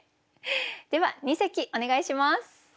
では二席お願いします。